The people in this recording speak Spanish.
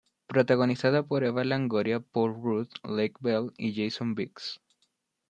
Protagonizada por Eva Longoria, Paul Rudd, Lake Bell y Jason Biggs.